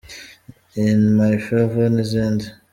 in my favour’ n’izindi.